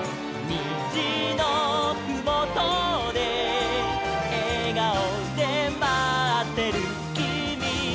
「にじのふもとでえがおでまってるきみがいる」